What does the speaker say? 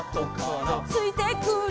「ついてくる」